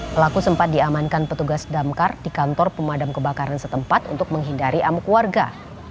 pelaku sempat diamankan petugas damkar di kantor pemadam kebakaran setempat untuk menghindari amuk warga